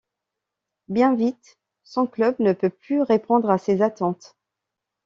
Bien vite, son club ne peut plus répondre à ses attente.